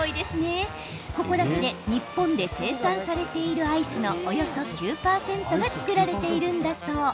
ここだけで日本で生産されているアイスのおよそ９％が作られているんだそう。